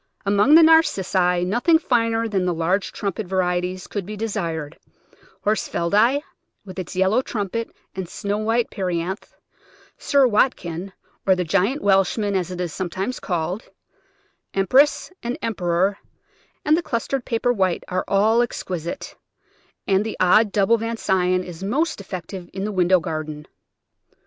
Among the Narcissi nothing finer than the large trumpet varieties could be desired: Horsfieldi, with its yellow trumpet and snow white perianth; Sir Wat kin, or the Giant Welshman, as it is sometimes called; Empress and Emperor and the clustered Paper White are all exquisite ; and the old double Von Sion is most effective in the window garden.